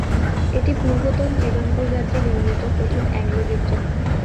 এটি পূর্বতন ত্রিবাঙ্কুর রাজ্যে নির্মিত প্রথম অ্যাংলো গির্জা।